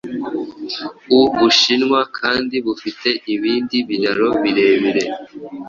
U Bushinwa kandi bufite ibindi biraro birebire